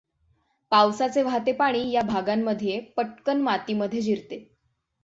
पावसाचे वाहते पाणी या भागांमध्ये पटकन मातीमध्ये जिरते.